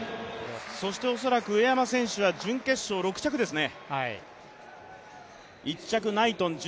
そして恐らく上山選手は準決勝６着ですね。